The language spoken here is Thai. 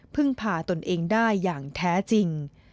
ผ่าตนเองได้อย่างแท้จริง